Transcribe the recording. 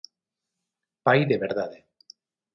Pai de verdade.